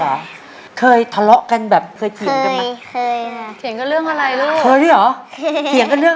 อ๋ออยากใส่ชุดค่ะอ๋ออยากใส่ชุดค่ะอ๋ออยากใส่ชุดค่ะอ๋ออยากใส่ชุดค่ะ